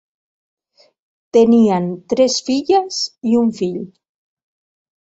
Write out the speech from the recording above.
Tenien tres filles i un fill.